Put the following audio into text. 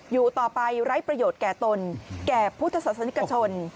อยู่ต่อไปไร้ประโยชน์แก่ตนแก่พุทธศาสนิกชน